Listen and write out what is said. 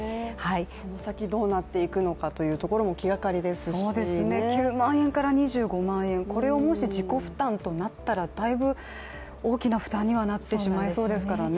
この先どうなっていくのかということも気がかりですし９万円から２５万円、これをもし自己負担となったらだいぶ大きな負担にはなってしまいそうですからね。